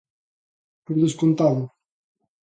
Por descontado.